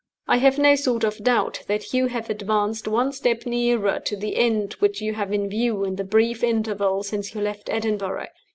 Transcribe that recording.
I have no sort of doubt that you have advanced one step nearer to the end which you have in view in the brief interval since you left Edinburgh.